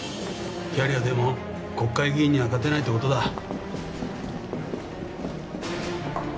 キャリアでも国会議員には勝てないってことだ。